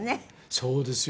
そうですよ。